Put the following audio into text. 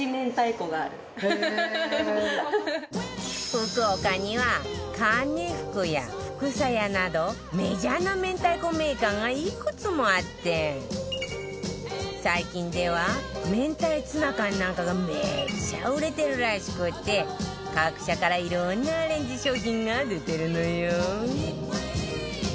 福岡にはかねふくや福さ屋などメジャーな明太子メーカーがいくつもあって最近では明太ツナ缶なんかがめっちゃ売れてるらしくて各社からいろんなアレンジ商品が出てるのよ